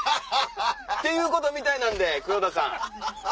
っていうことみたいなんで黒田さん。